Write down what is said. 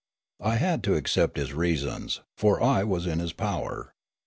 I had to accept his reasons, for I was in his power.